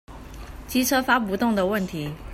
機車發不動的問題